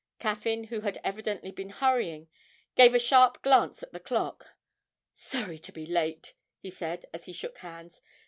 Caffyn, who had evidently been hurrying, gave a sharp glance at the clock: 'Sorry to be late,' he said, as he shook hands.